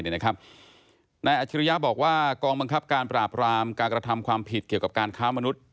นายอาชิริยะบอกว่ากองบังคับการปราบรามการกระทำความผิดเกี่ยวกับการค้ามนุษย์